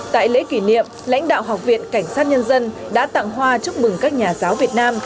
tại lễ kỷ niệm lãnh đạo học viện cảnh sát nhân dân đã tặng hoa chúc mừng các nhà giáo việt nam